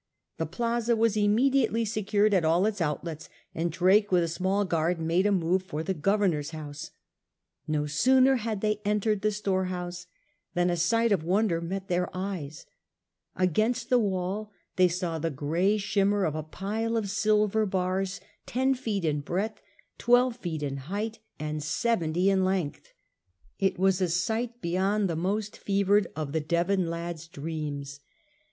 The Plaza was immediately secured at all its outlets, and Drake with a small guard made a move for the Gover nor's house. No sooner had they entered the storehouse than a sight of wonder met their eyes. Against the wall they saw the gray shimmer of a pile of silver bars ten feet in breadth, twelve feet in height^ and seventy in length. It was a sight beyond the most fevered of the Devon lads' dreams.